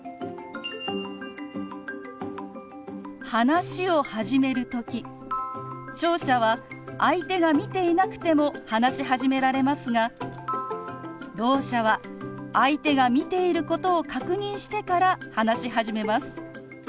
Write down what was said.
話を始める時聴者は相手が見ていなくても話し始められますがろう者は相手が見ていることを確認してから話し始めます。